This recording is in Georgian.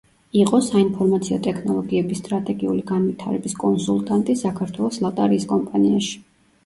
იყო საინფორმაციო ტექნოლოგიების სტრატეგიული განვითარების კონსულტანტი საქართველოს ლატარიის კომპანიაში.